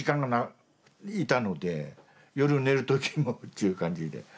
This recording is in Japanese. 夜寝る時もっちゅう感じで。